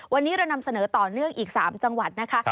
วันนี้เรานำเสนอต่อเนื่องอีก๓จังหวัดนะคะ